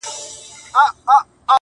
نو په سندرو کي به تا وينمه ـ